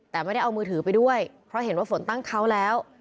แต่ไม่ได้เอามือถือไปด้วยเพราะเห็นว่าฝนตั้งเขาแล้ว